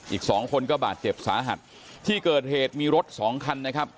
อีกสองคนก็บาดเจ็บสาหัสที่เกิดเหตุมีรถสองคันนะครับ